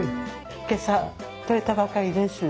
今朝取れたばかりです。